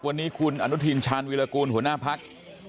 วันนี้คุณอนุทินชาญวิรากูลหัวหน้าพัก